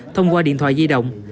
thông qua điện thoại di động